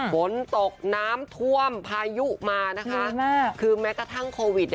ฝนตกน้ำท่วมพายุมานะคะคือแม้กระทั่งโควิด